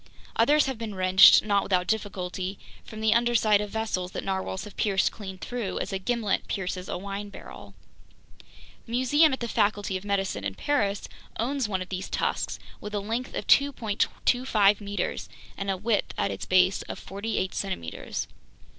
Others have been wrenched, not without difficulty, from the undersides of vessels that narwhales have pierced clean through, as a gimlet pierces a wine barrel. The museum at the Faculty of Medicine in Paris owns one of these tusks with a length of 2.25 meters and a width at its base of forty eight centimeters!